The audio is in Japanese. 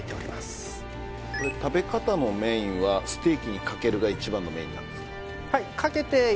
これは食べ方のメインはステーキにかけるが一番のメインなんですか？